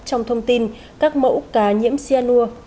trong thông tin các mẫu cá nhiễm cyanur